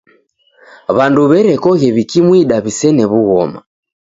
W'andu w'erekoghe w'ikimwida w'isene w'ughoma.